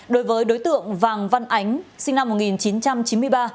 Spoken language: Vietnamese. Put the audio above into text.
đối với đối tượng vàng văn ánh sinh năm một nghìn chín trăm chín mươi ba